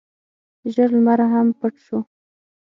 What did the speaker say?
ژړ لمر هم پټ شو.